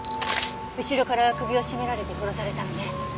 後ろから首を絞められて殺されたのね。